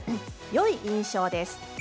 「いい印象です」